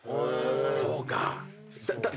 そうか。